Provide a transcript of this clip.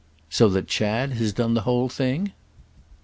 "So that Chad has done the whole thing?"